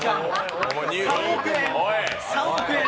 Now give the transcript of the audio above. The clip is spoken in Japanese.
３億円。